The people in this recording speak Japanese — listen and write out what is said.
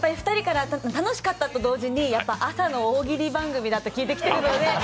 ２人から楽しかったと同時に朝の大喜利番組だと聞いて来ているので。